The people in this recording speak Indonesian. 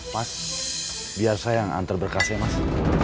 mas biar saya yang antar berkas ya mas